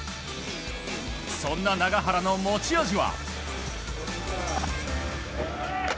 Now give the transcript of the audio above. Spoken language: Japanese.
そんな永原の持ち味は。